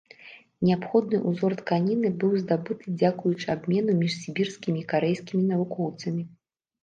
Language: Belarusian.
Неабходны ўзор тканіны быў здабыты дзякуючы абмену між сібірскімі і карэйскімі навукоўцамі.